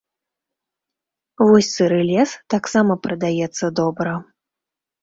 Вось сыры лес таксама прадаецца добра.